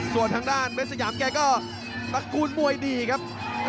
ส่วนทางด้านเม็ดสยามแก่ก็รักกุลมวยดีครับ